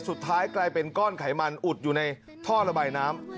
สุดท้ายกลายเป็นก้อนไขมันอุดอยู่ในท่อระบายน้ำ